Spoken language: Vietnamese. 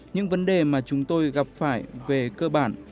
những vấn đề mà chúng tôi gặp phải về cơ bản